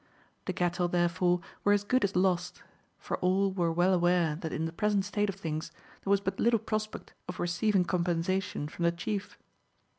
The cattle, therefore, were as good as lost, for all were well aware that in the present state of things there was but little prospect of receiving compensation from the chief.